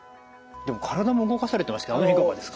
でも体も動かされてますけどあの辺いかがですか？